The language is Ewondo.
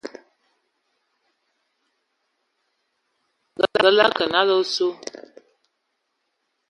Ngǝ lǝ kǝ nalǝ a osu,